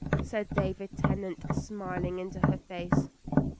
said David Tennant, smiling into her face.